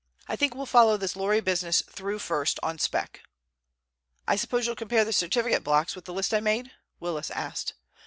I think we'll follow this lorry business through first on spec." "I suppose you'll compare the certificate blocks with the list I made?" Willis asked.